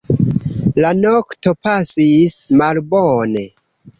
La nokto pasis malbone.